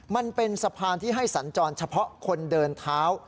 มันเป็นสะพานที่ให้สัญจรเฉพาะคนเดินเท้า